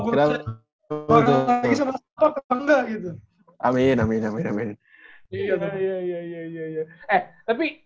kalau gue balik lagi sama stapa